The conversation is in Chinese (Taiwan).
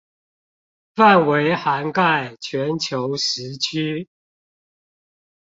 範圍涵蓋全球時區